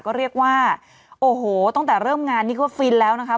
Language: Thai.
ก็เรียกว่าโอ้โหตั้งแต่เริ่มงานนี่ก็ฟินแล้วนะคะ